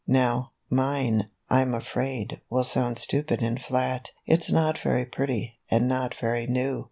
How, mine, I'm afraid, will sound stupid and flat, It's not very pretty, and not very new.